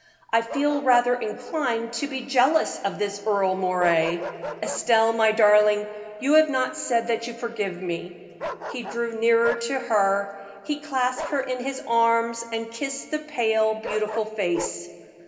"I feel rather inclined to be jealous of this Earle Moray. Estelle, my darling, you have not said that you forgive me." He drew nearer to her, he clasped her in his arms, and kissed the pale, beautiful face.